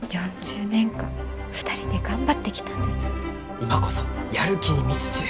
今こそやる気に満ちちゅう！